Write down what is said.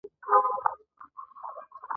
د محصولاتو حجم او ډولونه ډیر زیات شول.